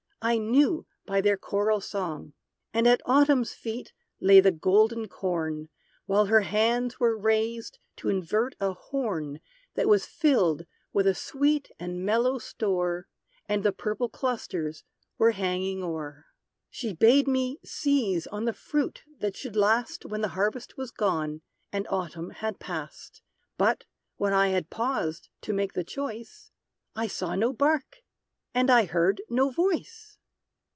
_ I knew by their choral song. And at Autumn's feet lay the golden corn, While her hands were raised, to invert a horn That was filled with a sweet and mellow store, And the purple clusters were hanging o'er. She bade me seize on the fruit that should last When the harvest was gone, and Autumn had past. But, when I had paused to make the choice, I saw no bark! and I heard no voice!